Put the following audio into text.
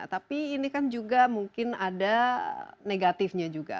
tapi ini kan juga mungkin ada negatifnya juga